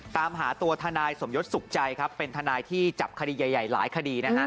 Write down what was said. ตามหาตัวทนายสมยศสุขใจครับเป็นทนายที่จับคดีใหญ่หลายคดีนะฮะ